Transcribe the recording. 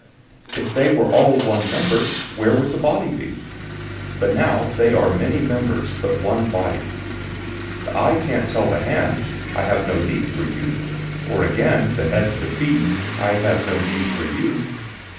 012:019 If they were all one member, where would the body be? 012:020 But now they are many members, but one body. 012:021 The eye can't tell the hand, "I have no need for you," or again the head to the feet, "I have no need for you."